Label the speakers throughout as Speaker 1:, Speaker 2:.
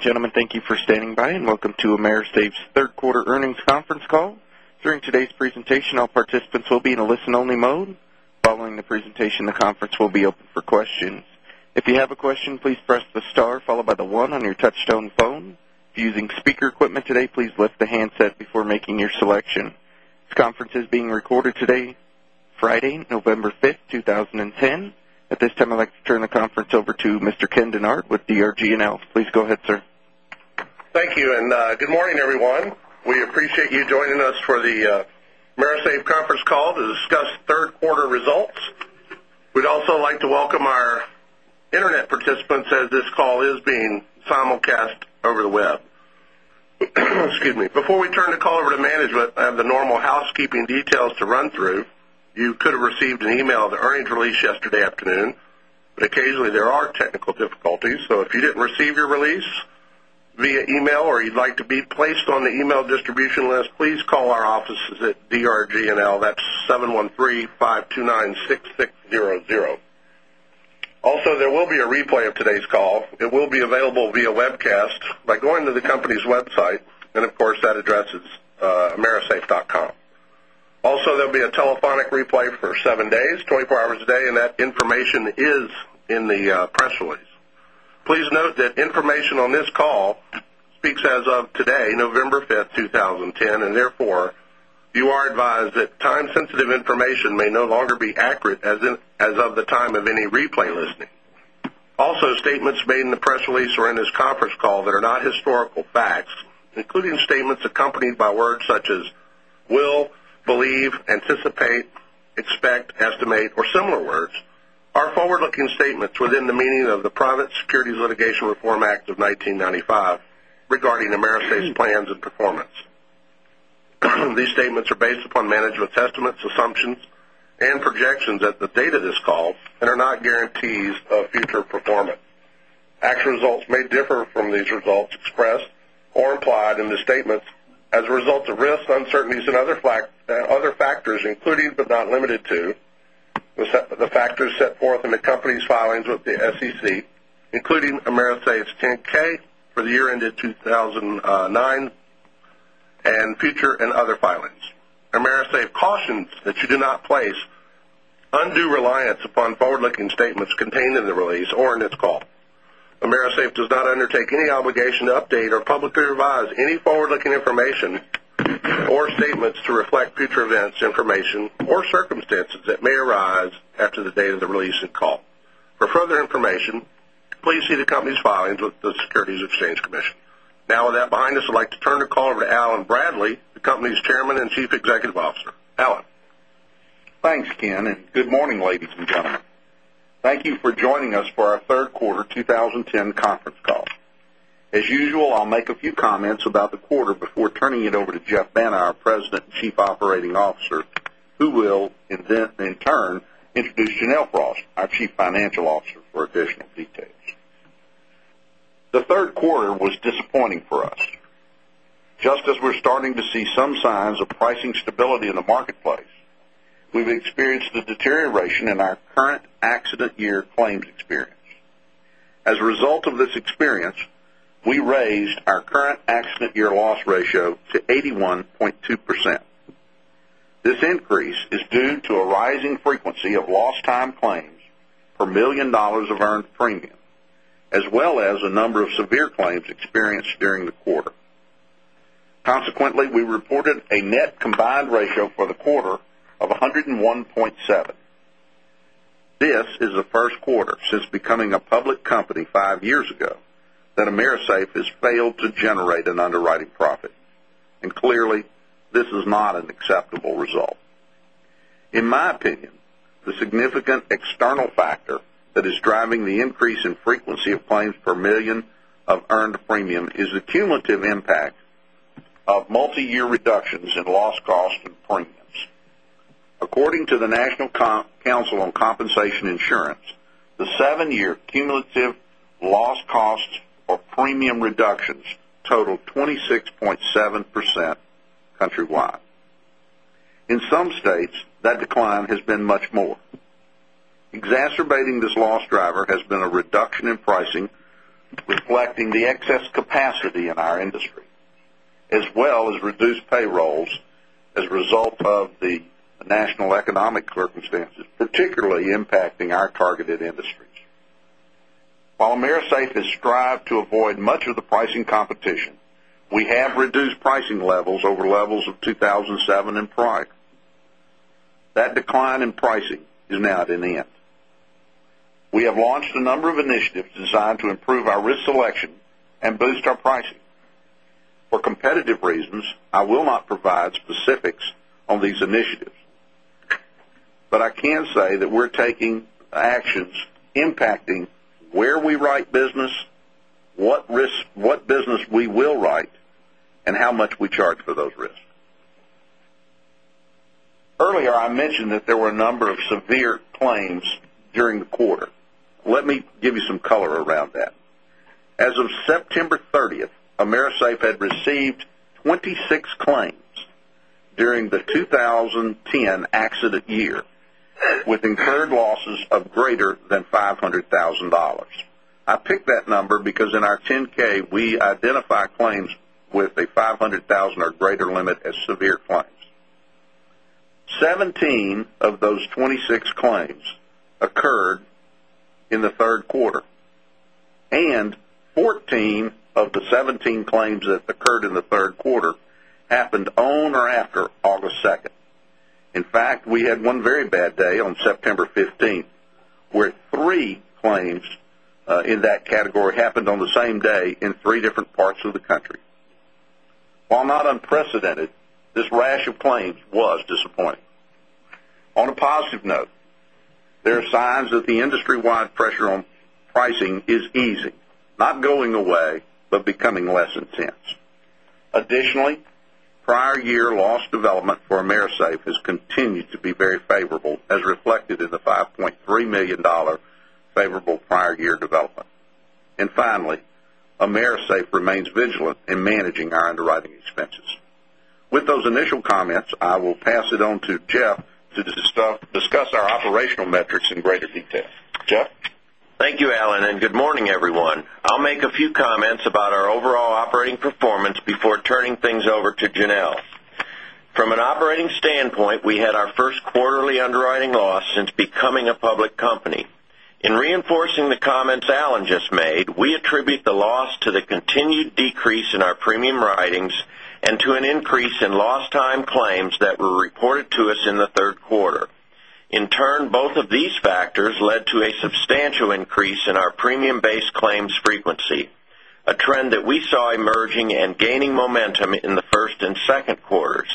Speaker 1: Ladies and gentlemen, thank you for standing by. Welcome to AMERISAFE's third quarter earnings conference call. During today's presentation, all participants will be in a listen-only mode. Following the presentation, the conference will be open for questions. If you have a question, please press the star followed by the one on your touch-tone phone. If you're using speaker equipment today, please lift the handset before making your selection. This conference is being recorded today, Friday, November 5th, 2010. At this time, I'd like to turn the conference over to Mr. Ken Dennard with DRG&L. Please go ahead, sir.
Speaker 2: Thank you. Good morning, everyone. We appreciate you joining us for the AMERISAFE conference call to discuss third quarter results. We'd also like to welcome our internet participants, as this call is being simulcast over the web. Excuse me. Before we turn the call over to management, I have the normal housekeeping details to run through. You could have received an email of the earnings release yesterday afternoon. Occasionally, there are technical difficulties. If you didn't receive your release via email or you'd like to be placed on the email distribution list, please call our offices at DRG&L. That's 713-529-6600. Also, there will be a replay of today's call. It will be available via webcast by going to the company's website, and of course, that address is amerisafe.com. There'll be a telephonic replay for 7 days, 24 hours a day, and that information is in the press release. Please note that information on this call speaks as of today, November 5th, 2010. Therefore, you are advised that time-sensitive information may no longer be accurate as of the time of any replay listening. Statements made in the press release or in this conference call that are not historical facts, including statements accompanied by words such as will, believe, anticipate, expect, estimate, or similar words, are forward-looking statements within the meaning of the Private Securities Litigation Reform Act of 1995 regarding AMERISAFE's plans and performance. These statements are based upon management estimates, assumptions, and projections at the date of this call and are not guarantees of future performance. Actual results may differ from these results expressed or implied in the statements as a result of risks, uncertainties, and other factors, including but not limited to the factors set forth in the company's filings with the SEC, including AMERISAFE's 10-K for the year ended 2009 and future and other filings. AMERISAFE cautions that you do not place undue reliance upon forward-looking statements contained in the release or in this call. AMERISAFE does not undertake any obligation to update or publicly revise any forward-looking information or statements to reflect future events, information, or circumstances that may arise after the date of the release and call. For further information, please see the company's filings with the Securities and Exchange Commission. With that behind us, I'd like to turn the call over to Allen Bradley, the company's Chairman and Chief Executive Officer. Allen.
Speaker 3: Thanks, Ken. Good morning, ladies and gentlemen. Thank you for joining us for our third quarter 2010 conference call. As usual, I will make a few comments about the quarter before turning it over to Geoff Banta, our President and Chief Operating Officer, who will in turn introduce Janelle Frost, our Chief Financial Officer, for additional details. The third quarter was disappointing for us. Just as we are starting to see some signs of pricing stability in the marketplace, we have experienced a deterioration in our current accident year claims experience. As a result of this experience, we raised our current accident year loss ratio to 81.2%. This increase is due to a rising frequency of lost time claims per $1 million of earned premium, as well as a number of severe claims experienced during the quarter. Consequently, we reported a net combined ratio for the quarter of 101.7%. This is the first quarter since becoming a public company five years ago that AMERISAFE has failed to generate an underwriting profit. Clearly, this is not an acceptable result. In my opinion, the significant external factor that is driving the increase in frequency of claims per $1 million of earned premium is the cumulative impact of multi-year reductions in loss costs and premiums. According to the National Council on Compensation Insurance, the seven-year cumulative loss costs or premium reductions totaled 26.7% countrywide. In some states, that decline has been much more. Exacerbating this loss driver has been a reduction in pricing, reflecting the excess capacity in our industry, as well as reduced payrolls as a result of the national economic circumstances, particularly impacting our targeted industries. While AMERISAFE has strived to avoid much of the pricing competition, we have reduced pricing levels over levels of 2007 and prior. That decline in pricing is now at an end. We have launched a number of initiatives designed to improve our risk selection and boost our pricing. For competitive reasons, I will not provide specifics on these initiatives. I can say that we are taking actions impacting where we write business, what business we will write, and how much we charge for those risks. Earlier, I mentioned that there were a number of severe claims during the quarter. Let me give you some color around that. As of September 30th, AMERISAFE had received 26 claims during the 2010 accident year, with incurred losses of greater than $500,000. I picked that number because in our 10-K, we identify claims with a $500,000 or greater limit as severe claims. 17 of those 26 claims occurred in the third quarter, and 14 of the 17 claims that occurred in the third quarter happened on or after August 2nd. In fact, we had one very bad day on September 15th, where three claims in that category happened on the same day in three different parts of the country. While not unprecedented, this rash of claims was disappointing. On a positive note, there are signs that the industry-wide pressure on pricing is easing, not going away, but becoming less intense. Additionally, prior year loss development for AMERISAFE has continued to be very favorable, as reflected in the $5.3 million favorable prior year development. Finally, AMERISAFE remains vigilant in managing our underwriting expenses. With those initial comments, I will pass it on to Geoff to discuss our operational metrics in greater detail. Geoff?
Speaker 4: Thank you, Allen, and good morning, everyone. I'll make a few comments about our overall operating performance before turning things over to Janelle. From an operating standpoint, we had our first quarterly underwriting loss since becoming a public company. In reinforcing the comments Allen just made, we attribute the loss to the continued decrease in our premium writings and to an increase in lost time claims that were reported to us in the third quarter. In turn, both of these factors led to a substantial increase in our premium-based claims frequency, a trend that we saw emerging and gaining momentum in the first and second quarters.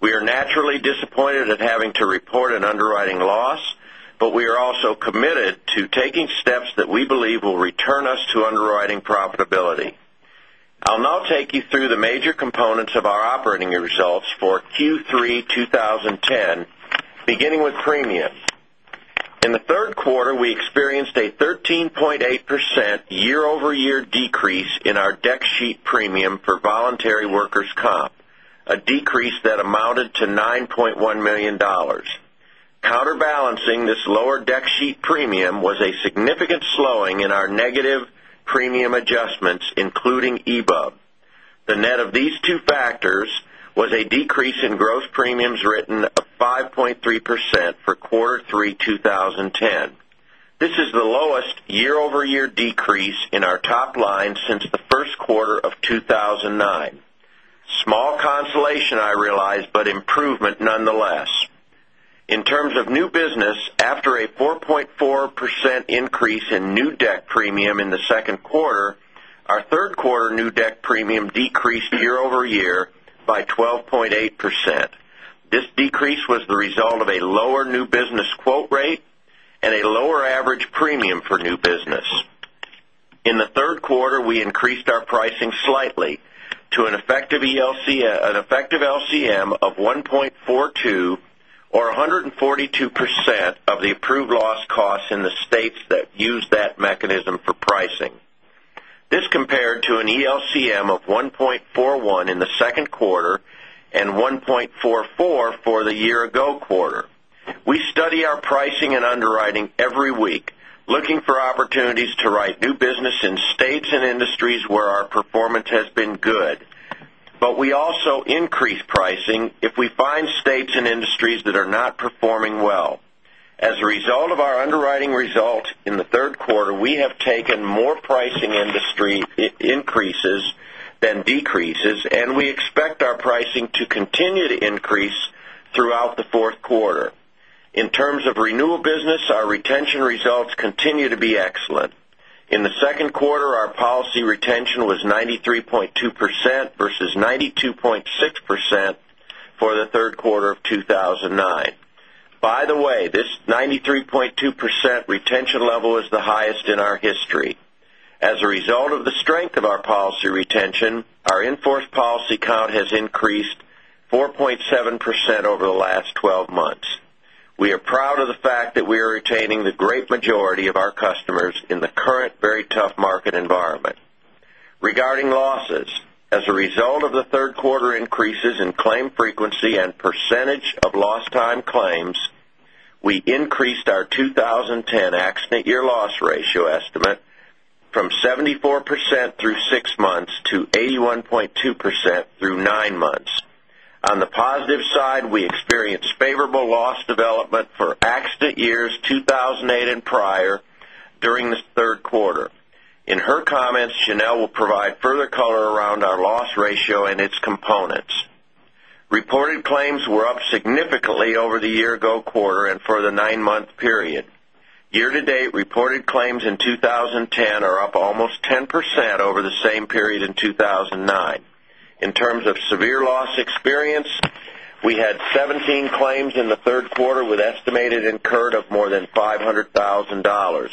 Speaker 4: We are naturally disappointed at having to report an underwriting loss, but we are also committed to taking steps that we believe will return us to underwriting profitability. I'll now take you through the major components of our operating results for Q3 2010, beginning with premium. In the third quarter, we experienced a 13.8% year-over-year decrease in our deck sheet premium for voluntary workers' comp, a decrease that amounted to $9.1 million. Counterbalancing this lower deck sheet premium was a significant slowing in our negative premium adjustments, including EBUB. The net of these two factors was a decrease in gross premiums written of 5.3% for quarter three 2010. This is the lowest year-over-year decrease in our top line since the first quarter of 2009. Small consolation, I realize, but improvement nonetheless. In terms of new business, after a 4.4% increase in new Deposit Premium in the second quarter, our third quarter new Deposit Premium decreased year-over-year by 12.8%. This decrease was the result of a lower new business quote rate and a lower average premium for new business. In the third quarter, we increased our pricing slightly to an effective LCM of 1.42 or 142% of the approved loss costs in the states that use that mechanism for pricing. This compared to an ELCM of 1.41 in the second quarter and 1.44 for the year-ago quarter. We study our pricing and underwriting every week, looking for opportunities to write new business in states and industries where our performance has been good. We also increase pricing if we find states and industries that are not performing well. As a result of our underwriting result in the third quarter, we have taken more pricing industry increases than decreases. We expect our pricing to continue to increase throughout the fourth quarter. In terms of renewal business, our retention results continue to be excellent. In the second quarter, our policy retention was 93.2% versus 92.6% for the third quarter of 2009. By the way, this 93.2% retention level is the highest in our history. As a result of the strength of our policy retention, our in-force policy count has increased 4.7% over the last 12 months. We are proud of the fact that we are retaining the great majority of our customers in the current very tough market environment. Regarding losses, as a result of the third quarter increases in claim frequency and percentage of lost time claims, we increased our 2010 accident year loss ratio estimate from 74% through six months to 81.2% through nine months. On the positive side, we experienced favorable loss development for accident years 2008 and prior during the third quarter. In her comments, Janelle will provide further color around our loss ratio and its components. Reported claims were up significantly over the year-ago quarter and for the nine-month period. Year-to-date reported claims in 2010 are up almost 10% over the same period in 2009. In terms of severe loss experience, we had 17 claims in the third quarter with estimated incurred of more than $500,000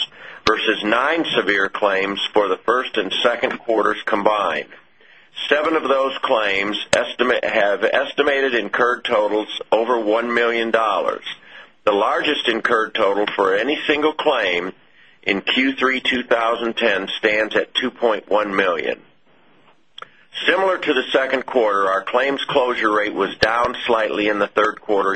Speaker 4: versus nine severe claims for the first and second quarters combined. Seven of those claims have estimated incurred totals over $1 million. The largest incurred total for any single claim in Q3 2010 stands at $2.1 million. Similar to the second quarter, our claims closure rate was down slightly in the third quarter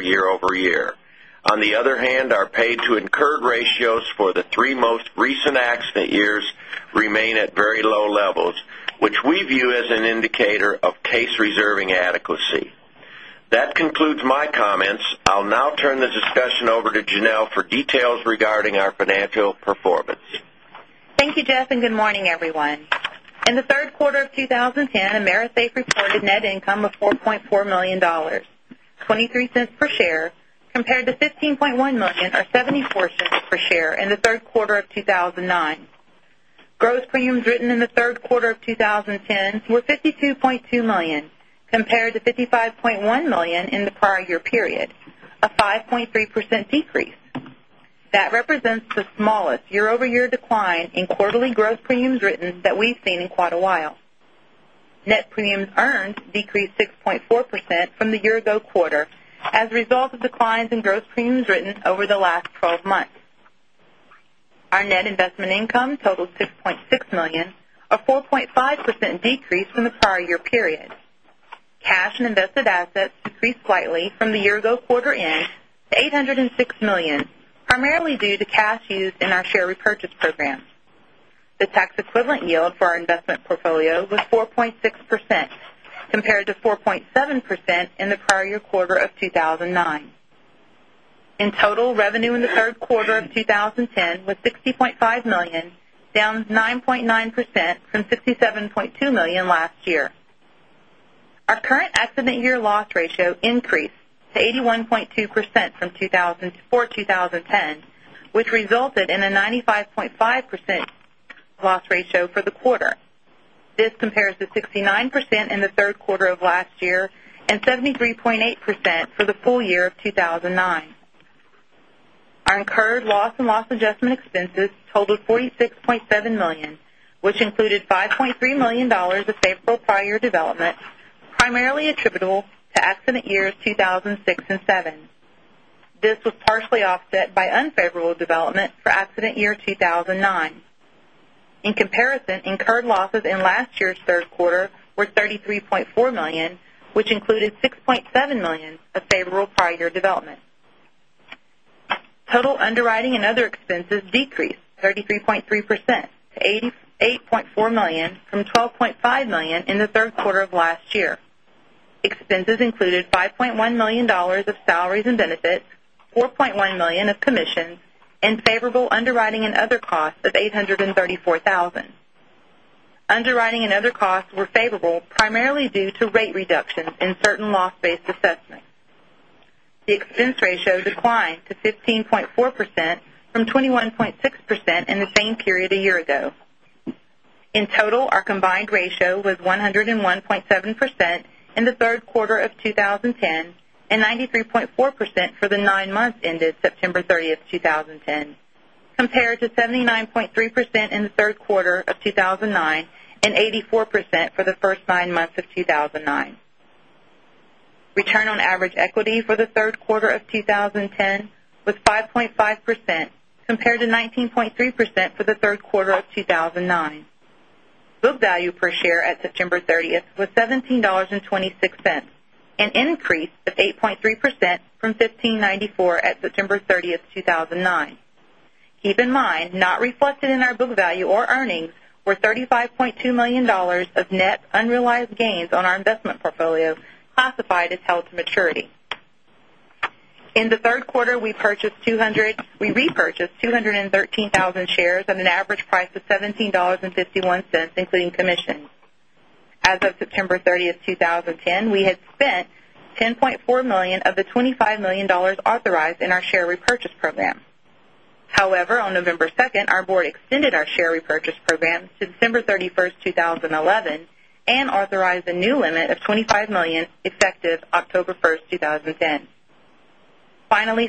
Speaker 4: year-over-year. Our paid to incurred ratios for the three most recent accident years remain at very low levels, which we view as an indicator of case reserving adequacy. That concludes my comments. I'll now turn the discussion over to Janelle for details regarding our financial performance.
Speaker 5: Thank you, Geoff, and good morning, everyone. In the third quarter of 2010, AMERISAFE reported net income of $4.4 million, $0.23 per share, compared to $15.1 million or $0.74 per share in the third quarter of 2009. Gross premiums written in the third quarter of 2010 were $52.2 million, compared to $55.1 million in the prior year period, a 5.3% decrease. That represents the smallest year-over-year decline in quarterly gross premiums written that we've seen in quite a while. Net premiums earned decreased 6.4% from the year-ago quarter as a result of declines in gross premiums written over the last 12 months. Our net investment income totaled $6.6 million, a 4.5% decrease from the prior year period. Cash and invested assets decreased slightly from the year-ago quarter end to $806 million, primarily due to cash used in our share repurchase program. The tax equivalent yield for our investment portfolio was 4.6%, compared to 4.7% in the prior year quarter of 2009. In total, revenue in the third quarter of 2010 was $60.5 million, down 9.9% from $67.2 million last year. Our current accident year loss ratio increased to 81.2% for 2010, which resulted in a 95.5% loss ratio for the quarter. This compares to 69% in the third quarter of last year and 73.8% for the full year of 2009. Our incurred loss and loss adjustment expenses totaled $46.7 million, which included $5.3 million of favorable prior year development, primarily attributable to accident years 2006 and 2007. This was partially offset by unfavorable development for accident year 2009. In comparison, incurred losses in last year's third quarter were $33.4 million, which included $6.7 million of favorable prior year development. Total underwriting and other expenses decreased 33.3% to $8.4 million from $12.5 million in the third quarter of last year. Expenses included $5.1 million of salaries and benefits, $4.1 million of commissions, and favorable underwriting and other costs of $834,000. Underwriting and other costs were favorable primarily due to rate reductions in certain loss-based assessments. The expense ratio declined to 15.4% from 21.6% in the same period a year ago. In total, our combined ratio was 101.7% in the third quarter of 2010 and 93.4% for the nine months ended September 30th, 2010, compared to 79.3% in the third quarter of 2009 and 84% for the first nine months of 2009. Return on average equity for the third quarter of 2010 was 5.5%, compared to 19.3% for the third quarter of 2009. Book value per share at September 30th was $17.26, an increase of 8.3% from $15.94 at September 30th, 2009. Keep in mind, not reflected in our book value or earnings were $35.2 million of net unrealized gains on our investment portfolio classified as held to maturity. In the third quarter, we repurchased 213,000 shares at an average price of $17.51, including commissions. As of September 30th, 2010, we had spent $10.4 million of the $25 million authorized in our share repurchase program. On November 2nd, our board extended our share repurchase program to December 31st, 2011, and authorized a new limit of $25 million effective October 1st, 2010.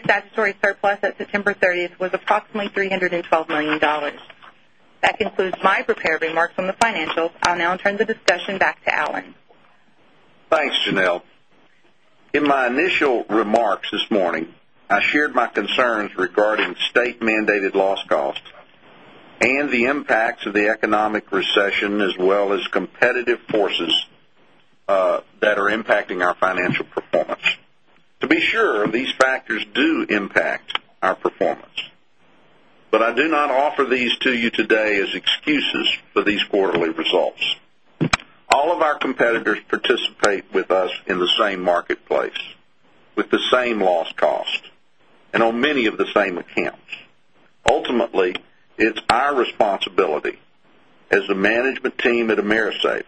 Speaker 5: Statutory surplus at September 30th was approximately $312 million. That concludes my prepared remarks on the financials. I'll now turn the discussion back to Allen.
Speaker 3: Thanks, Janelle. In my initial remarks this morning, I shared my concerns regarding state-mandated loss costs and the impacts of the economic recession as well as competitive forces that are impacting our financial performance. To be sure, these factors do impact our performance. I do not offer these to you today as excuses for these quarterly results. All of our competitors participate with us in the same marketplace with the same loss cost and on many of the same accounts. It's our responsibility as the management team at AMERISAFE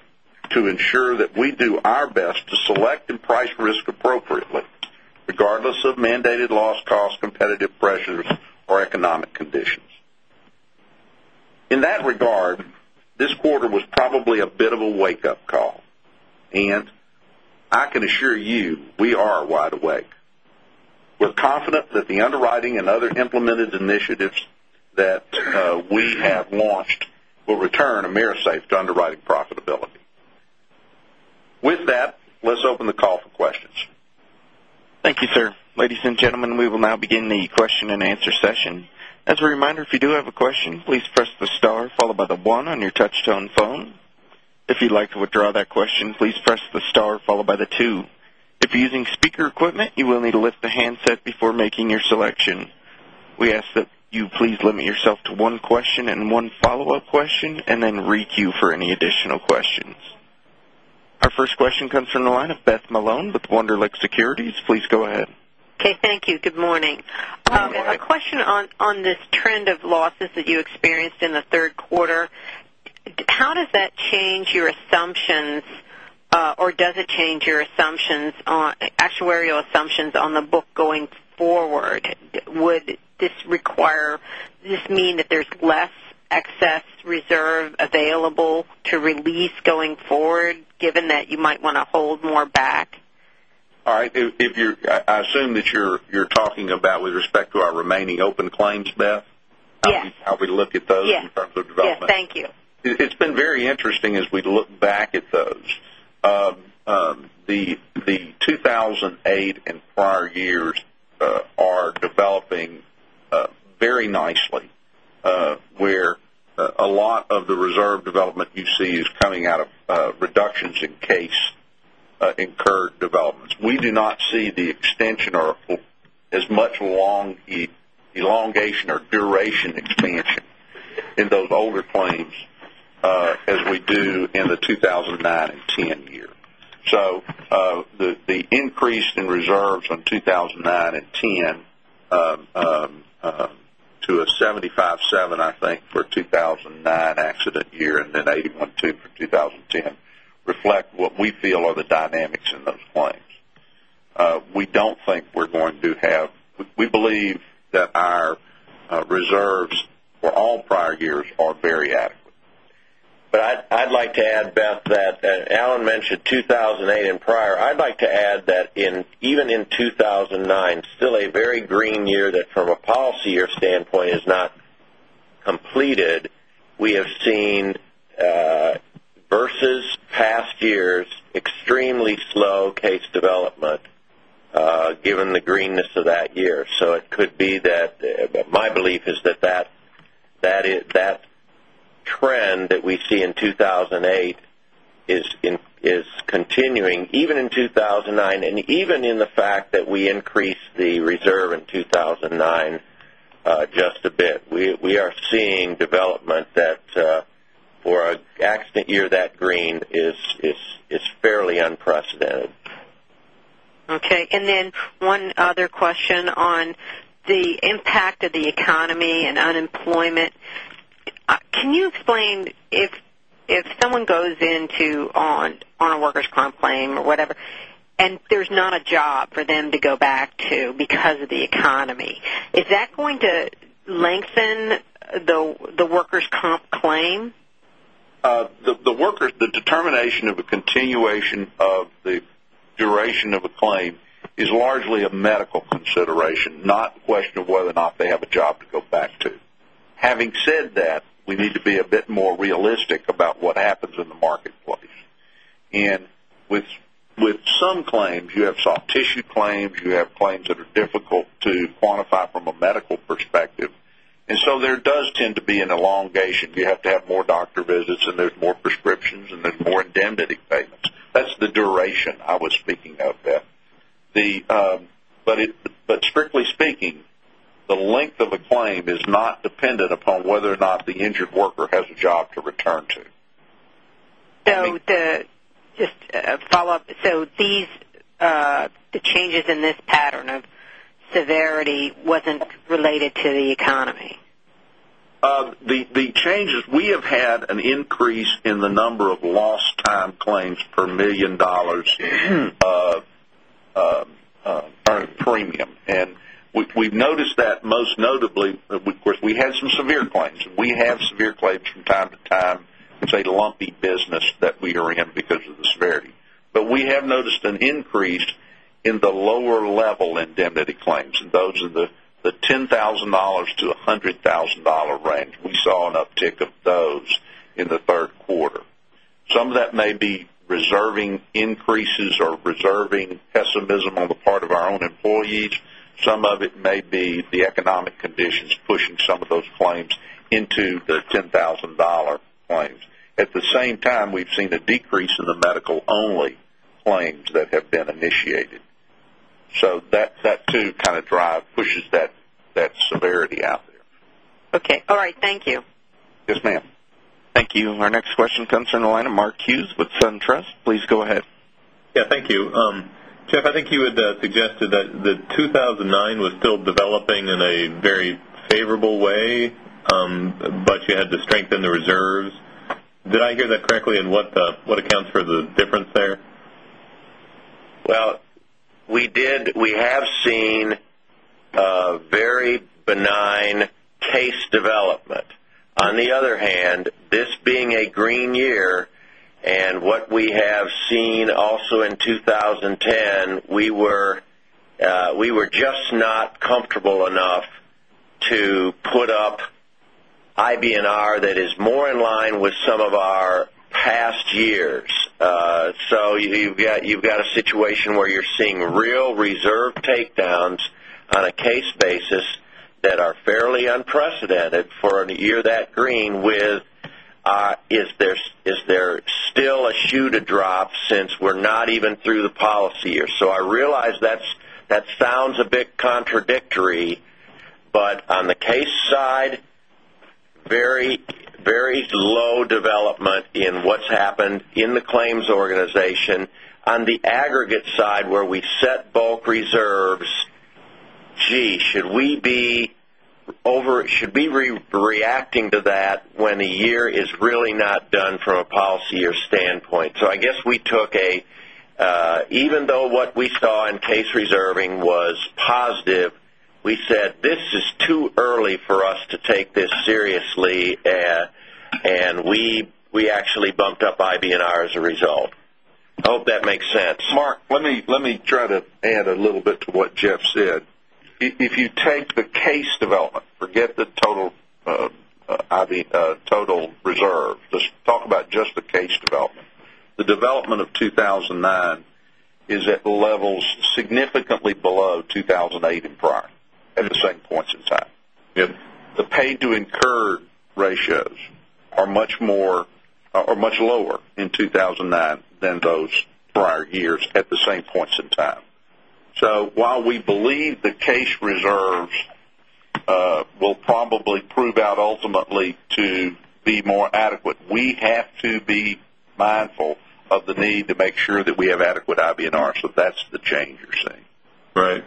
Speaker 3: to ensure that we do our best to select and price risk appropriately, regardless of mandated loss costs, competitive pressures, or economic conditions. In that regard, this quarter was probably a bit of a wake-up call, and I can assure you we are wide awake. We're confident that the underwriting and other implemented initiatives that we have launched will return AMERISAFE to underwriting profitability. Let's open the call for questions.
Speaker 1: Thank you, sir. Ladies and gentlemen, we will now begin the question and answer session. As a reminder, if you do have a question, please press the star followed by the one on your touch-tone phone. If you'd like to withdraw that question, please press the star followed by the two. If you're using speaker equipment, you will need to lift the handset before making your selection. We ask that you please limit yourself to one question and one follow-up question, and then re-queue for any additional questions. Our first question comes from the line of Beth Malone with Wunderlich Securities. Please go ahead.
Speaker 6: Okay, thank you. Good morning.
Speaker 3: Good morning.
Speaker 6: I have a question on this trend of losses that you experienced in the third quarter. How does that change your assumptions, or does it change your actuarial assumptions on the book going forward? Would this mean that there's less excess reserve available to release going forward, given that you might want to hold more back?
Speaker 3: All right. I assume that you're talking about with respect to our remaining open claims, Beth?
Speaker 6: Yes.
Speaker 3: How we look at those-
Speaker 6: Yes
Speaker 3: in terms of development.
Speaker 6: Yes. Thank you.
Speaker 3: It's been very interesting as we look back at those. The 2008 and prior years are developing very nicely. Where a lot of the reserve development you see is coming out of reductions in case incurred developments. We do not see the extension or as much elongation or duration expansion in those older claims as we do in the 2009 and 2010 year. The increase in reserves on 2009 and 2010 to a 75.7, I think for 2009 accident year, and then 81.2 for 2010, reflect what we feel are the dynamics in those claims. We believe that our reserves for all prior years are very adequate.
Speaker 4: I'd like to add, Beth, that Allen mentioned 2008 and prior. I'd like to add that even in 2009, still a very green year, that from a policy year standpoint is not completed. We have seen, versus past years, extremely slow case development given the greenness of that year. My belief is that trend that we see in 2008 is continuing even in 2009, and even in the fact that we increased the reserve in 2009 just a bit. We are seeing development that for an accident year that green is fairly unprecedented.
Speaker 6: Okay. One other question on the impact of the economy and unemployment. Can you explain if someone goes into on a workers' comp claim or whatever, and there's not a job for them to go back to because of the economy, is that going to lengthen the workers' comp claim?
Speaker 3: The determination of a continuation of the duration of a claim is largely a medical consideration, not a question of whether or not they have a job to go back to. Having said that, we need to be a bit more realistic about what happens in the marketplace. With some claims, you have soft tissue claims, you have claims that are difficult to quantify from a medical perspective, and so there does tend to be an elongation. You have to have more doctor visits, and there's more prescriptions, and there's more indemnity payments. That's the duration I was speaking of, Beth. Strictly speaking, the length of a claim is not dependent upon whether or not the injured worker has a job to return to.
Speaker 6: Just a follow-up. The changes in this pattern of severity wasn't related to the economy.
Speaker 3: We have had an increase in the number of lost time claims per $1 million of earned premium. We've noticed that most notably, of course, we had some severe claims, and we have severe claims from time to time. It's a lumpy business that we are in because of the severity. We have noticed an increase in the lower level indemnity claims, and those are the $10,000-$100,000 range. We saw an uptick of those in the third quarter. Some of that may be reserving increases or reserving pessimism on the part of our own employees. Some of it may be the economic conditions pushing some of those claims into their $10,000 claims. At the same time, we've seen a decrease in the medical-only claims that have been initiated. That too kind of pushes that severity out there.
Speaker 6: Okay. All right. Thank you.
Speaker 3: Yes, ma'am.
Speaker 1: Thank you. Our next question comes from the line of Mark Hughes with SunTrust. Please go ahead.
Speaker 7: Thank you. Geoff, I think you had suggested that 2009 was still developing in a very favorable way, but you had to strengthen the reserves. Did I hear that correctly, and what accounts for the difference there?
Speaker 4: We have seen a very benign case development. On the other hand, this being a green year and what we have seen also in 2010, we were just not comfortable.
Speaker 5: IBNR that is more in line with some of our past years. You've got a situation where you're seeing real reserve takedowns on a case basis that are fairly unprecedented for a year that green with, is there still a shoe to drop since we're not even through the policy year? I realize that sounds a bit contradictory, but on the case side, very low development in what's happened in the claims organization. On the aggregate side, where we set bulk reserves, gee, should we be reacting to that when a year is really not done from a policy or standpoint? I guess even though what we saw in case reserving was positive, we said, "This is too early for us to take this seriously." We actually bumped up IBNR as a result. I hope that makes sense.
Speaker 3: Mark, let me try to add a little bit to what Geoff said. If you take the case development, forget the total reserve. Let's talk about just the case development. The development of 2009 is at levels significantly below 2008 and prior at the same points in time.
Speaker 7: Yeah.
Speaker 3: The paid to incurred ratios are much lower in 2009 than those prior years at the same points in time. While we believe the case reserves will probably prove out ultimately to be more adequate, we have to be mindful of the need to make sure that we have adequate IBNR. That's the change you're seeing.
Speaker 7: Right.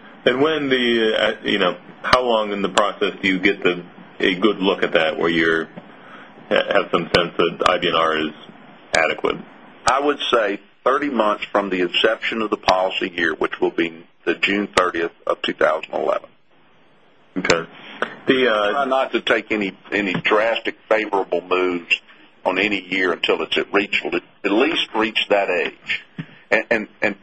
Speaker 7: How long in the process do you get a good look at that where you have some sense that IBNR is adequate?
Speaker 3: I would say 30 months from the inception of the policy year, which will be the June 30th of 2011.
Speaker 7: Okay.
Speaker 3: We try not to take any drastic favorable moves on any year until it's at least reached that age.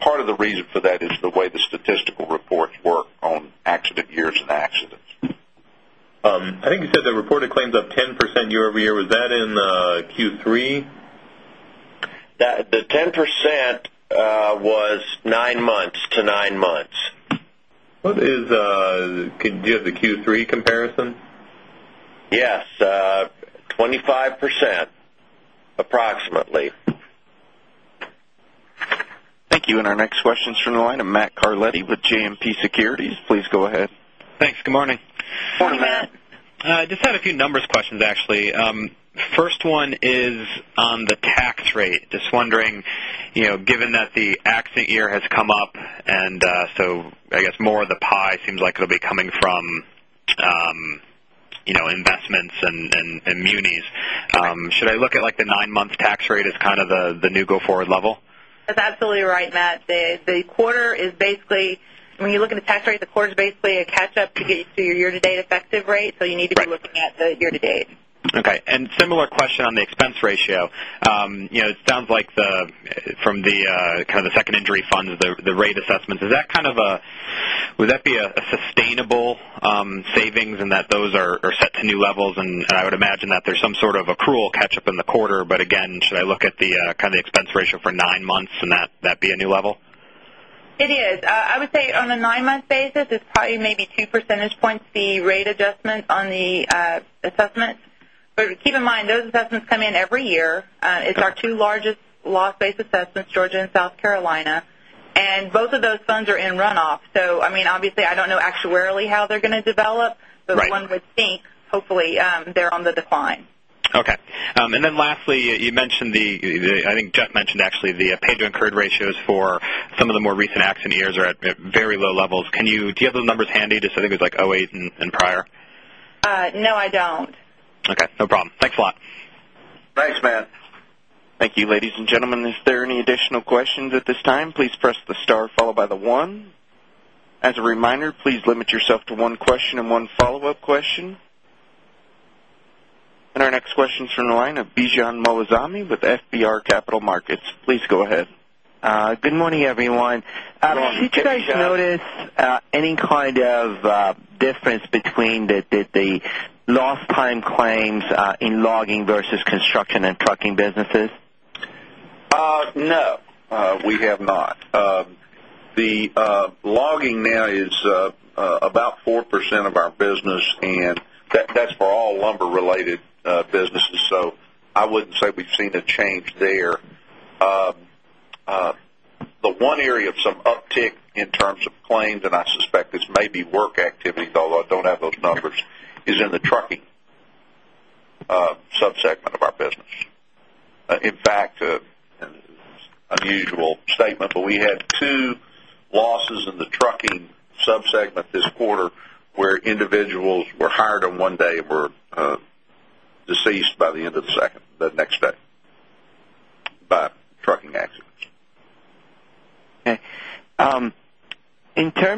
Speaker 3: Part of the reason for that is the way the statistical reports work on accident years and accidents.
Speaker 7: I think you said the reported claims up 10% year-over-year. Was that in Q3?
Speaker 5: The 10% was nine months to nine months.
Speaker 7: Do you have the Q3 comparison?
Speaker 5: Yes. 25% approximately.
Speaker 1: Thank you. Our next question's from the line of Matthew Carletti with JMP Securities. Please go ahead.
Speaker 8: Thanks. Good morning.
Speaker 3: Morning, Matt.
Speaker 5: Morning, Matt.
Speaker 8: I just had a few numbers questions, actually. First one is on the tax rate. Just wondering, given that the accident year has come up, and I guess more of the pie seems like it'll be coming from investments and munis. Should I look at the nine-month tax rate as kind of the new go-forward level?
Speaker 5: That's absolutely right, Matt. When you look at the tax rate, the quarter is basically a catch-up to get you to your year-to-date effective rate. You need to be looking at the year-to-date.
Speaker 8: Okay. Similar question on the expense ratio. It sounds like from the second injury fund, the rate assessments. Would that be a sustainable savings in that those are set to new levels? I would imagine that there's some sort of accrual catch-up in the quarter. Again, should I look at the expense ratio for nine months and that be a new level?
Speaker 5: It is. I would say on a nine-month basis, it's probably maybe two percentage points, the rate adjustment on the assessment. Keep in mind, those assessments come in every year. It's our two largest loss-based assessments, Georgia and South Carolina. Both of those funds are in runoff. Obviously, I don't know actuarially how they're going to develop.
Speaker 8: Right.
Speaker 5: One would think, hopefully, they're on the decline.
Speaker 8: Okay. Lastly, I think Geoff mentioned actually the paid to incurred ratios for some of the more recent accident years are at very low levels. Do you have those numbers handy? Just I think it was 2008 and prior.
Speaker 5: No, I don't.
Speaker 8: Okay, no problem. Thanks a lot.
Speaker 3: Thanks, Matt.
Speaker 1: Thank you, ladies and gentlemen. Is there any additional questions at this time? Please press the star followed by the one. As a reminder, please limit yourself to one question and one follow-up question. Our next question's from the line of Bijan Moazami with FBR Capital Markets. Please go ahead.
Speaker 9: Good morning, everyone.
Speaker 3: Good morning, Bijan.
Speaker 9: Did you guys notice any kind of difference between the lost time claims in logging versus construction and trucking businesses?
Speaker 3: No, we have not. The logging now is about 4% of our business, and that's for all lumber-related businesses. I wouldn't say we've seen a change there. The one area of some uptick in terms of claims, and I suspect this may be work activity, although I don't have those numbers, is in the trucking sub-segment of our business. In fact, unusual statement, but we had two losses in the trucking sub-segment this quarter where individuals were hired on one day and were deceased by the end of the next day by trucking accidents.
Speaker 9: Okay.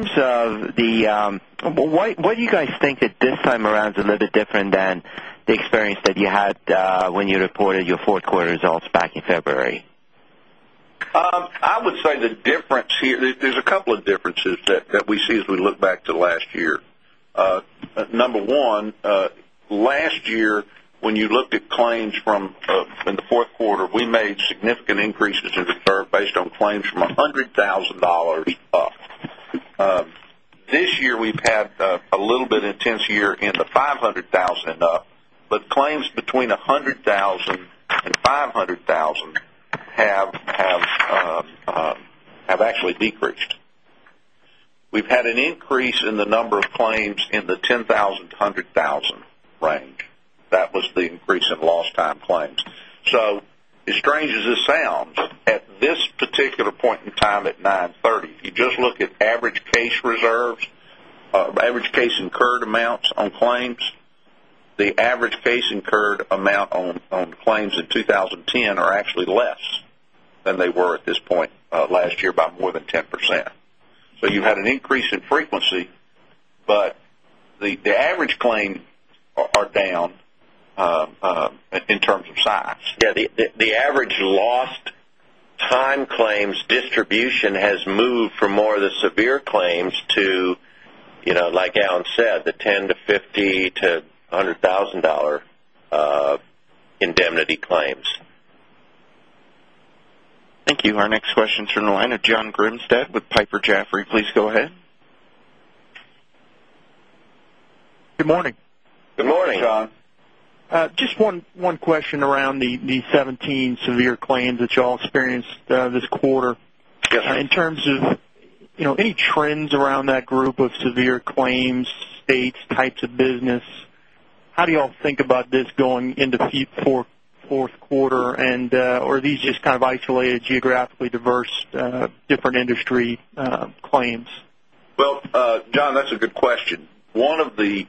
Speaker 9: Why do you guys think that this time around is a little bit different than the experience that you had when you reported your fourth quarter results back in February?
Speaker 3: I would say there's a couple of differences that we see as we look back to last year. Number one, last year, when you looked at claims from in the fourth quarter, we made significant increases in reserve based on claims from $100,000 up. This year, we've had a little bit intense year in the $500,000 up, but claims between $100,000 and $500,000 have actually decreased. We've had an increase in the number of claims in the $10,000-$100,000 range. That was the increase in lost time claims. As strange as this sounds, at this particular point in time, at 9/30, if you just look at average case reserves, average case incurred amounts on claims, the average case incurred amount on claims in 2010 are actually less than they were at this point last year by more than 10%. You've had an increase in frequency, but the average claim are down, in terms of size.
Speaker 4: Yeah. The average lost time claims distribution has moved from more of the severe claims to, like Allen said, the $10,000 to $50,000 to $100,000 indemnity claims.
Speaker 1: Thank you. Our next question is from the line of John Grimstad with Piper Jaffray. Please go ahead.
Speaker 10: Good morning.
Speaker 3: Good morning.
Speaker 4: Good morning, John.
Speaker 10: Just one question around the 17 severe claims that y'all experienced this quarter.
Speaker 3: Yes, sir.
Speaker 10: In terms of any trends around that group of severe claims, states, types of business, how do y'all think about this going into Q4, fourth quarter? Are these just kind of isolated, geographically diverse, different industry claims?
Speaker 3: Well, John, that's a good question. One of the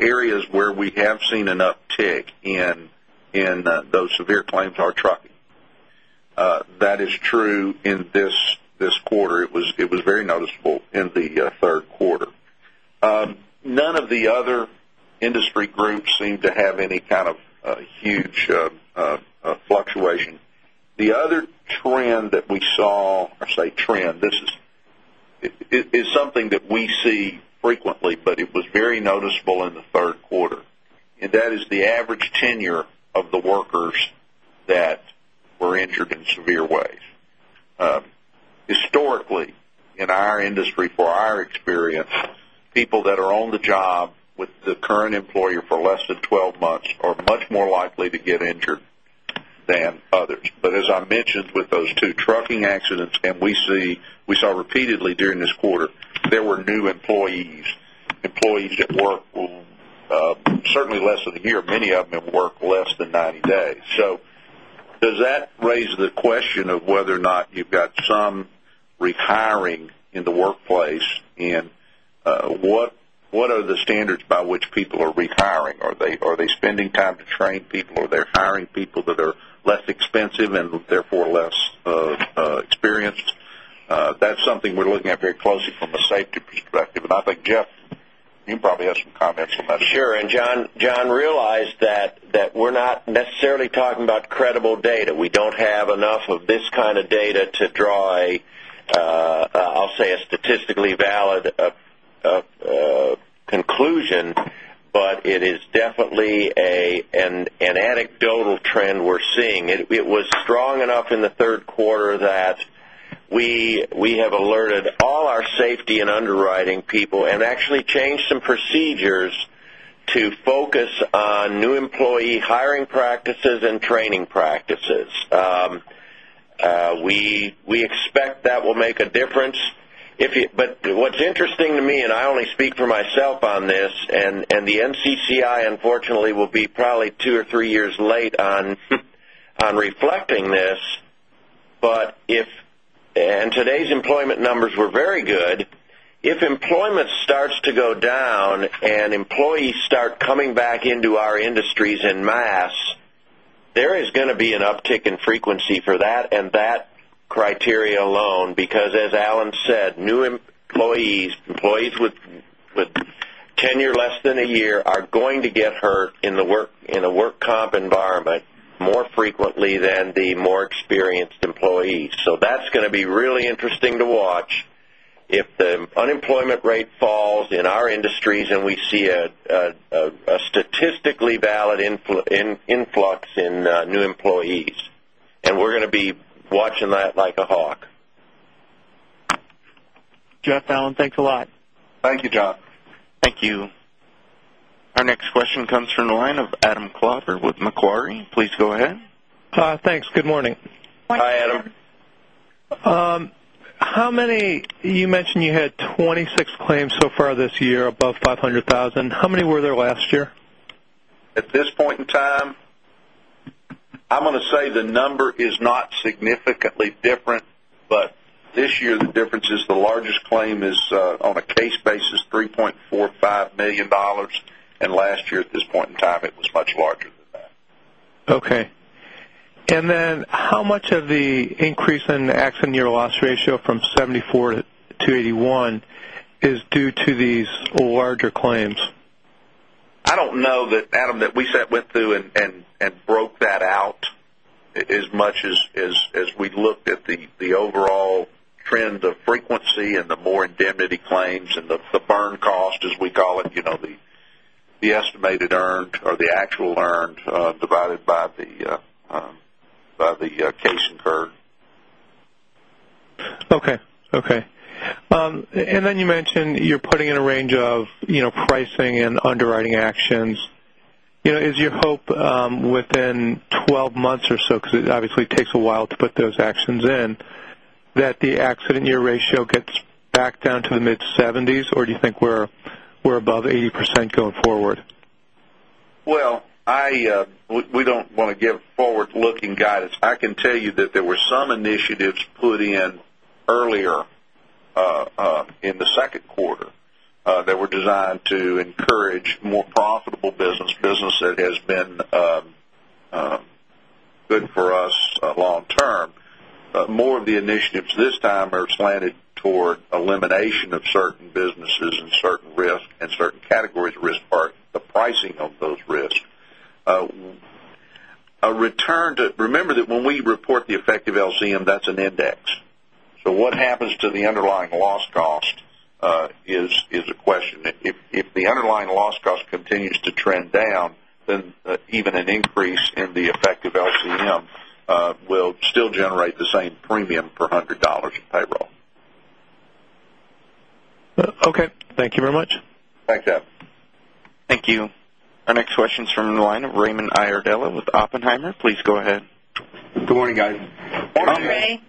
Speaker 3: areas where we have seen an uptick in those severe claims are trucking. That is true in this quarter. It was very noticeable in the third quarter. None of the other industry groups seem to have any kind of huge fluctuation. The other trend that we saw, I say trend, is something that we see frequently, but it was very noticeable in the third quarter, and that is the average tenure of the workers that were injured in severe ways. Historically, in our industry, for our experience, people that are on the job with the current employer for less than 12 months are much more likely to get injured than others. As I mentioned with those two trucking accidents, and we saw repeatedly during this quarter, they were new employees that worked certainly less than a year, many of them have worked less than 90 days. Does that raise the question of whether or not you've got some retiring in the workplace, and what are the standards by which people are retiring? Are they spending time to train people? Are they hiring people that are less expensive and therefore less experienced? That's something we're looking at very closely from a safety perspective. I think, Geoff, you probably have some comments on that.
Speaker 4: Sure. John realized that we're not necessarily talking about credible data. We don't have enough of this kind of data to draw a, I'll say, a statistically valid conclusion. It is definitely an anecdotal trend we're seeing. It was strong enough in the third quarter that we have alerted all our safety and underwriting people and actually changed some procedures to focus on new employee hiring practices and training practices. We expect that will make a difference. What's interesting to me, and I only speak for myself on this, the NCCI, unfortunately, will be probably two or three years late on reflecting this. Today's employment numbers were very good. If employment starts to go down and employees start coming back into our industries en masse, there is going to be an uptick in frequency for that and that criteria alone, because as Allen said, new employees with tenure less than a year, are going to get hurt in a work comp environment more frequently than the more experienced employees. That's going to be really interesting to watch if the unemployment rate falls in our industries and we see a statistically valid influx in new employees, and we're going to be watching that like a hawk.
Speaker 10: Geoff, Allen, thanks a lot.
Speaker 3: Thank you, John.
Speaker 4: Thank you.
Speaker 1: Our next question comes from the line of Adam Klauber with Macquarie. Please go ahead.
Speaker 11: Thanks. Good morning.
Speaker 3: Hi, Adam.
Speaker 4: Morning.
Speaker 11: You mentioned you had 26 claims so far this year above $500,000. How many were there last year?
Speaker 3: At this point in time, I'm going to say the number is not significantly different, but this year the difference is the largest claim is, on a case basis, $3.45 million, and last year at this point in time, it was much larger than that.
Speaker 11: Okay. How much of the increase in the accident year loss ratio from 74% to 81% is due to these larger claims?
Speaker 3: I don't know, Adam, that we sat, went through, and broke that out as much as we looked at the overall trend of frequency and the more indemnity claims and the burn cost, as we call it, the estimated earned or the actual earned, divided by the case incurred.
Speaker 11: Okay. Then you mentioned you're putting in a range of pricing and underwriting actions. Is your hope within 12 months or so, because it obviously takes a while to put those actions in, that the accident year ratio gets back down to the mid-70s, or do you think we're above 80% going forward?
Speaker 3: Well, we don't want to give forward-looking guidance. I can tell you that there were some initiatives put in earlier in the second quarter that were designed to encourage more profitable business. Business that has been good for us long term. More of the initiatives this time are slanted toward elimination of certain businesses and certain risks and certain categories of risk, or the pricing of those risks. Remember that when we report the effective LCM, that's an index. What happens to the underlying loss cost is a question. If the underlying loss cost continues to trend down, then even an increase in the effective LCM will still generate the same premium per $100 of payroll.
Speaker 11: Okay. Thank you very much.
Speaker 3: Thanks, Adam.
Speaker 1: Thank you. Our next question is from the line of Raymond Iardella with Oppenheimer. Please go ahead.
Speaker 12: Good morning, guys.
Speaker 3: Morning, Ray.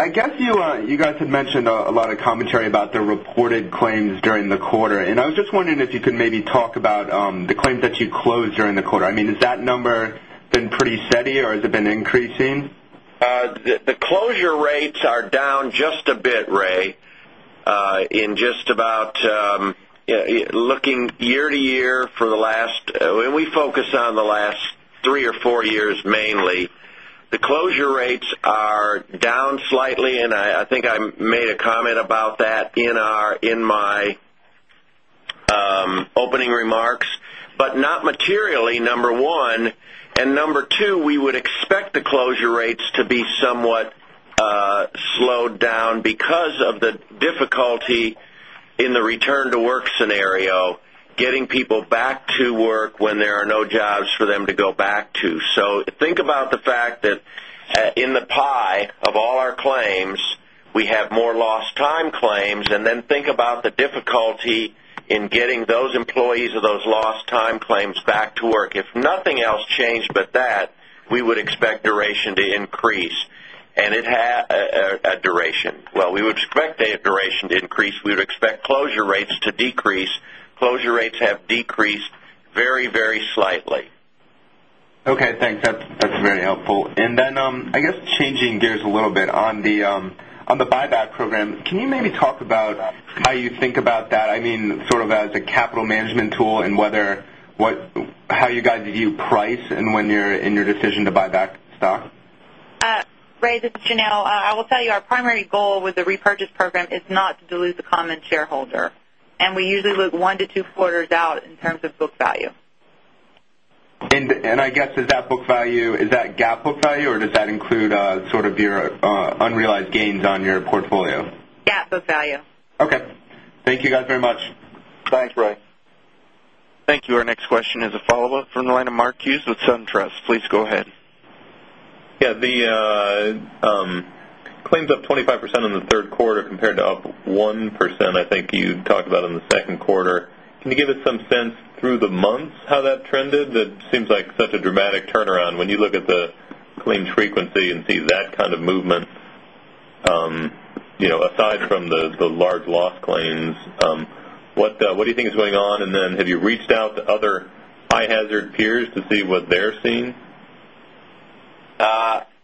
Speaker 12: I guess you guys had mentioned a lot of commentary about the reported claims during the quarter, and I was just wondering if you could maybe talk about the claims that you closed during the quarter. Has that number been pretty steady, or has it been increasing?
Speaker 4: The closure rates are down just a bit, Ray. Looking year-to-year, we focus on the last three or four years mainly. The closure rates are down slightly, and I think I made a comment about that in my opening remarks, but not materially, number one. Number two, we would expect the closure rates to be somewhat slowed down because of the difficulty in the return to work scenario, getting people back to work when there are no jobs for them to go back to. Think about the fact that in the pie of all our claims, we have more lost time claims, and then think about the difficulty in getting those employees of those lost time claims back to work. If nothing else changed but that, we would expect duration to increase. We would expect duration to increase, we would expect closure rates to decrease. Closure rates have decreased very slightly.
Speaker 12: Okay, thanks. That's very helpful. Then, changing gears a little bit on the buyback program. Can you maybe talk about how you think about that as a capital management tool, and how you guys view price in your decision to buy back stock?
Speaker 5: Ray, this is Janelle. I will tell you our primary goal with the repurchase program is not to dilute the common shareholder. We usually look one to two quarters out in terms of book value.
Speaker 12: I guess, is that book value, is that GAAP book value, or does that include sort of your unrealized gains on your portfolio?
Speaker 5: GAAP book value.
Speaker 12: Okay. Thank you guys very much.
Speaker 3: Thanks, Ray.
Speaker 1: Thank you. Our next question is a follow-up from the line of Mark Hughes with SunTrust. Please go ahead.
Speaker 7: Yeah. The claims up 25% in the third quarter compared to up 1% I think you talked about in the second quarter. Can you give us some sense through the months how that trended? That seems like such a dramatic turnaround when you look at the claim frequency and see that kind of movement. Aside from the large loss claims, what do you think is going on? Then have you reached out to other high hazard peers to see what they're seeing?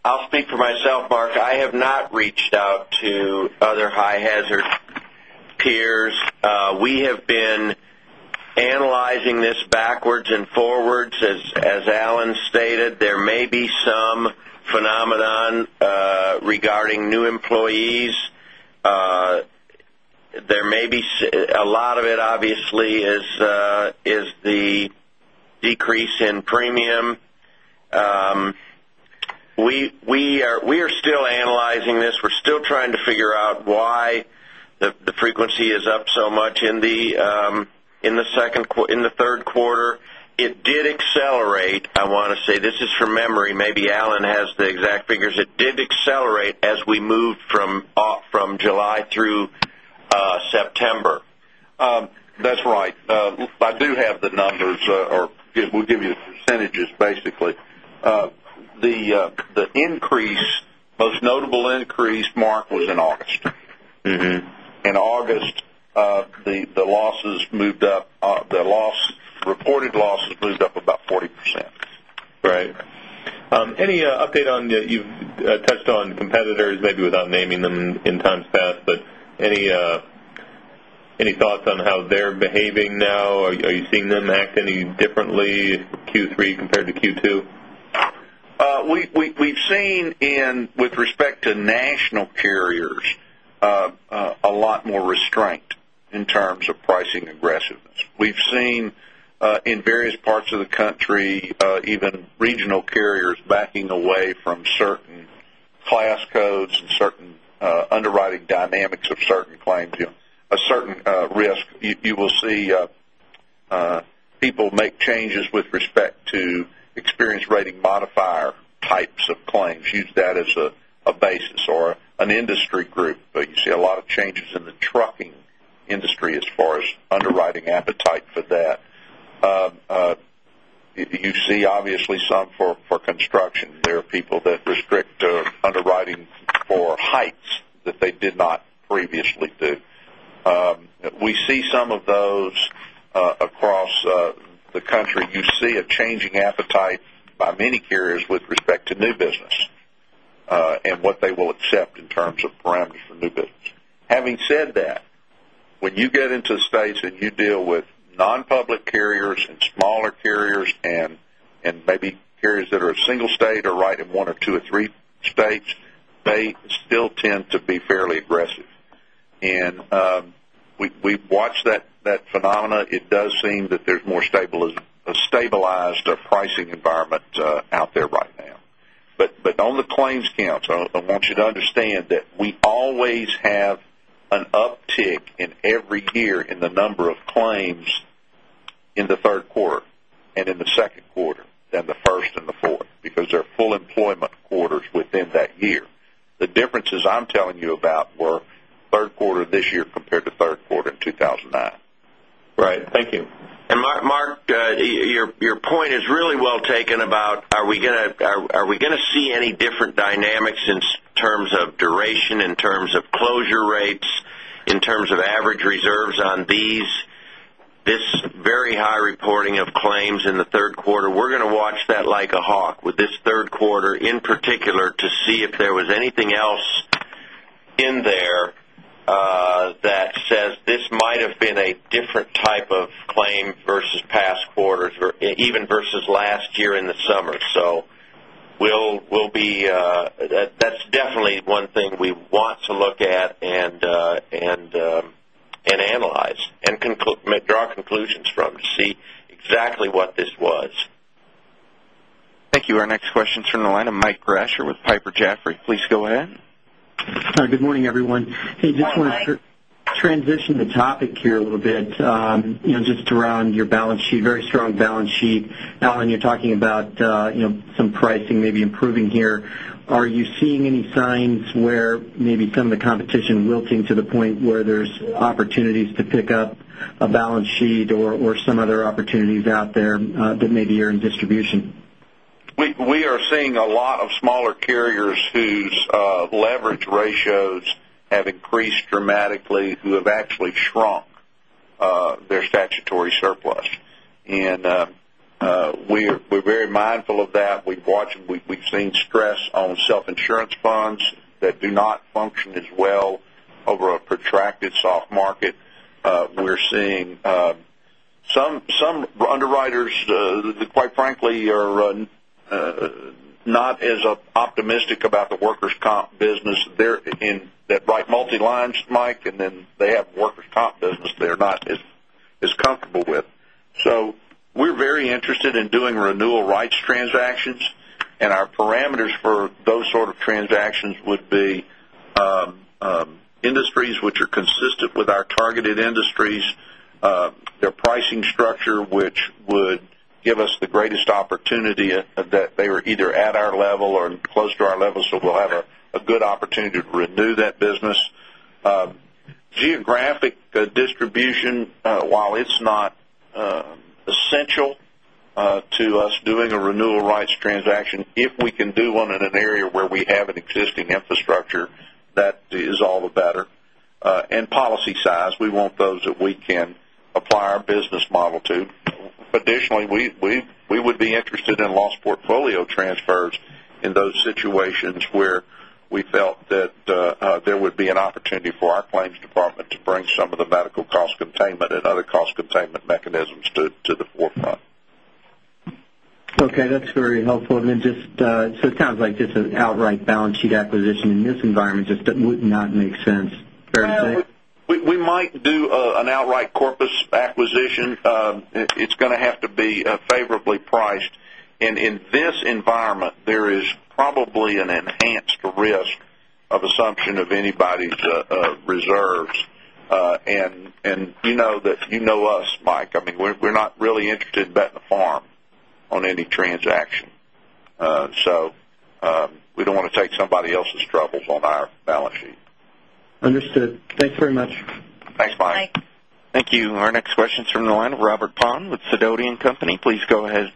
Speaker 4: I'll speak for myself, Mark. I have not reached out to other high hazard peers. We have been analyzing this backwards and forwards. As C. Allen stated, there may be some phenomenon regarding new employees. A lot of it, obviously, is the decrease in premium. We are still analyzing this. We're still trying to figure out why the frequency is up so much in the third quarter. It did accelerate, I want to say. This is from memory. Maybe C. Allen has the exact figures. It did accelerate as we moved from July through September.
Speaker 3: That's right. I do have the numbers, or we'll give you the percentages, basically. The most notable increase, Mark, was in August. In August, the reported losses moved up about 40%.
Speaker 7: Right. Any update on, you've touched on competitors, maybe without naming them in times past, but any thoughts on how they're behaving now? Are you seeing them act any differently Q3 compared to Q2?
Speaker 3: With respect to national carriers, a lot more restraint in terms of pricing aggressiveness. We've seen, in various parts of the country, even regional carriers backing away from certain class codes and certain underwriting dynamics of certain claims, a certain risk. You will see people make changes with respect to experience rating modifier types of claims, use that as a basis or an industry group. You see a lot of changes in the trucking industry as far as underwriting appetite for that. You see, obviously, some for construction. There are people that restrict underwriting for heights that they did not previously do. We see some of those across the country. You see a changing appetite by many carriers with respect to new business, and what they will accept in terms of parameters for new business. Having said that, when you get into states and you deal with non-public carriers and smaller carriers, and maybe carriers that are a single state or right in one or two or three states, they still tend to be fairly aggressive. We've watched that phenomena. It does seem that there's more stabilized pricing environment out there right now. On the claims count, I want you to understand that we always have an uptick in every year in the number of claims in the third quarter and in the second quarter than the first and the fourth, because they're full employment quarters within that year. The differences I'm telling you about were third quarter this year compared to third quarter in 2009.
Speaker 7: Right. Thank you.
Speaker 4: Mark, your point is really well taken about are we going to see any different dynamics in terms of duration, in terms of closure rates, in terms of average reserves on this very high reporting of claims in the third quarter? We're going to watch that like a hawk with this third quarter, in particular, to see if there was anything else in there that says this might have been a different type of claim versus past quarters, even versus last year in the summer. That's definitely one thing we want to look at and analyze, and draw conclusions from to see exactly what this was.
Speaker 1: Thank you. Our next question is from the line of Michael Grondahl with Piper Jaffray. Please go ahead.
Speaker 13: Hi, good morning, everyone.
Speaker 4: Good morning, Mike.
Speaker 13: Hey, just want to transition the topic here a little bit, just around your very strong balance sheet. Allen, you're talking about some pricing maybe improving here. Are you seeing any signs where maybe some of the competition wilting to the point where there's opportunities to pick up a balance sheet or some other opportunities out there that maybe are in distribution?
Speaker 3: We are seeing a lot of smaller carriers whose leverage ratios have increased dramatically, who have actually shrunk their statutory surplus. We're very mindful of that. We've watched, we've seen stress on self-insurance funds that do not function as well over a protracted soft market. We're seeing some underwriters that, quite frankly, are not as optimistic about the workers' comp business that write multi-lines, Mike, and then they have workers' comp business they're not as comfortable with. We're very interested in doing renewal rights transactions, and our parameters for those sort of transactions would be industries which are consistent with our targeted industries, their pricing structure, which would give us the greatest opportunity that they were either at our level or close to our level, so we'll have a good opportunity to renew that business. Geographic distribution, while it's not essential to us doing a renewal rights transaction, if we can do one in an area where we have an existing infrastructure, that is all the better. Policy size, we want those that we can apply our business model to. Additionally, we would be interested in loss portfolio transfers in those situations where we felt that there would be an opportunity for our claims department to bring some of the medical cost containment and other cost containment mechanisms to the forefront.
Speaker 13: It sounds like just an outright balance sheet acquisition in this environment just would not make sense, fair to say?
Speaker 3: We might do an outright corpus acquisition. It's going to have to be favorably priced. In this environment, there is probably an enhanced risk of assumption of anybody's reserves. You know us, Mike. We're not really interested in betting the farm on any transaction. We don't want to take somebody else's troubles on our balance sheet.
Speaker 13: Understood. Thanks very much.
Speaker 3: Thanks, Mike.
Speaker 1: Thank you. Our next question's from the line of Robert Pound with Sidoti & Company. Please go ahead.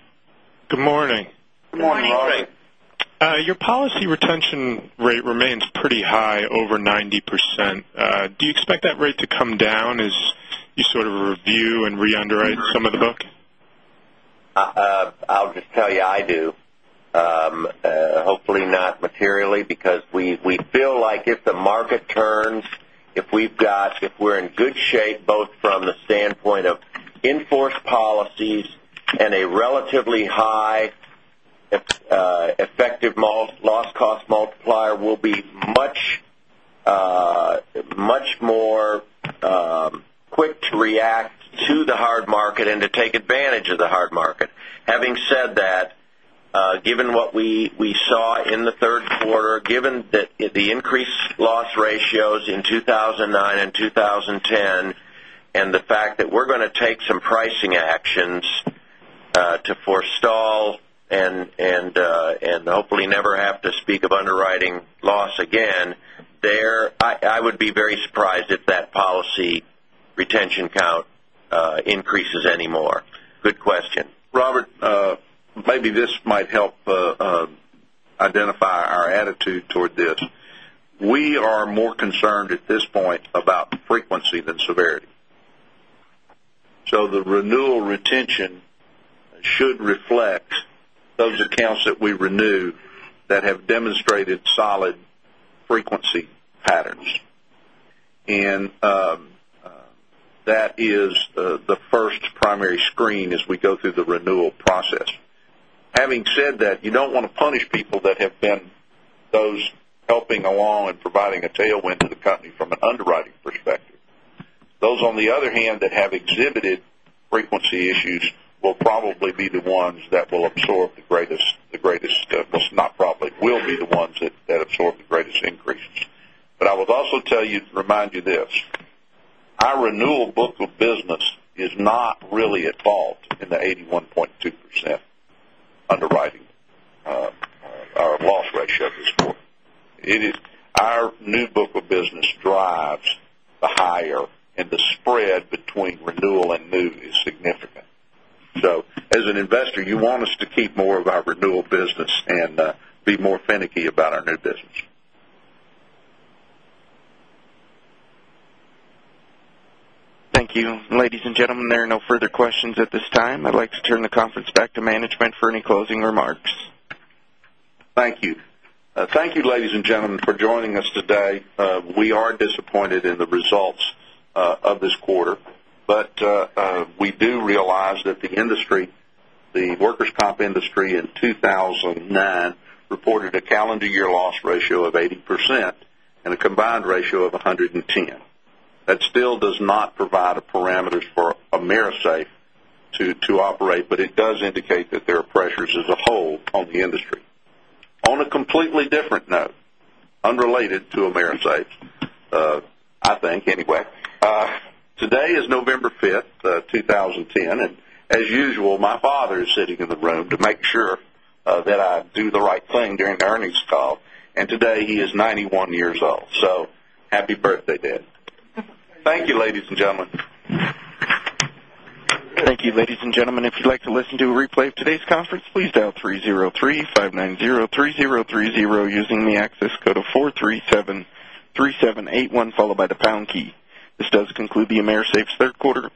Speaker 14: Good morning.
Speaker 4: Morning.
Speaker 3: Morning.
Speaker 14: Your policy retention rate remains pretty high, over 90%. Do you expect that rate to come down as you sort of review and re-underwrite some of the book?
Speaker 4: I'll just tell you I do. Hopefully not materially, because we feel like if the market turns, if we're in good shape, both from the standpoint of in-force policies And a relatively high effective loss cost multiplier will be much more quick to react to the hard market and to take advantage of the hard market. Having said that, given what we saw in the third quarter, given the increased loss ratios in 2009 and 2010, and the fact that we're going to take some pricing actions to forestall and hopefully never have to speak of underwriting loss again, I would be very surprised if that policy retention count increases anymore. Good question.
Speaker 3: Robert, maybe this might help identify our attitude toward this. We are more concerned at this point about frequency than severity. The renewal retention should reflect those accounts that we renew that have demonstrated solid frequency patterns. That is the first primary screen as we go through the renewal process. Having said that, you don't want to punish people that have been those helping along and providing a tailwind to the company from an underwriting perspective. Those, on the other hand, that have exhibited frequency issues will be the ones that absorb the greatest increases. I would also remind you this. Our renewal book of business is not really at fault in the 81.2% underwriting loss ratio this quarter. Our new book of business drives the higher, the spread between renewal and new is significant. As an investor, you want us to keep more of our renewal business and be more finicky about our new business.
Speaker 1: Thank you. Ladies and gentlemen, there are no further questions at this time. I'd like to turn the conference back to management for any closing remarks.
Speaker 3: Thank you. Thank you, ladies and gentlemen, for joining us today. We are disappointed in the results of this quarter. We do realize that the industry, the workers' comp industry in 2009 reported a calendar year loss ratio of 80% and a combined ratio of 110. That still does not provide the parameters for AMERISAFE to operate, but it does indicate that there are pressures as a whole on the industry. On a completely different note, unrelated to AMERISAFE, I think anyway, today is November 5th, 2010, and as usual, my father is sitting in the room to make sure that I do the right thing during the earnings call, and today he is 91 years old. Happy birthday, Dad. Thank you, ladies and gentlemen.
Speaker 1: Thank you, ladies and gentlemen. If you'd like to listen to a replay of today's conference, please dial 303-590-3030 using the access code of 4373781 followed by the pound key. This does conclude the AMERISAFE's third quarter